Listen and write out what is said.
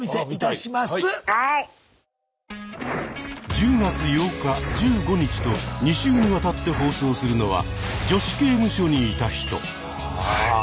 １０月８日１５日と２週にわたって放送するのは「女子刑務所にいた人」。